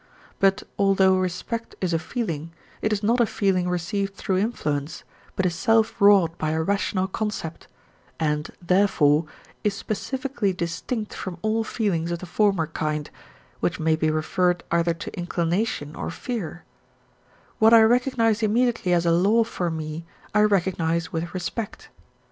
But although respect is a feeling, it is not a feeling received through influence, but is self wrought by a rational concept, and, therefore, is specifically distinct from all feelings of the former kind, which may be referred either to inclination or fear, What I recognise immediately as a law for me, I recognise with respect.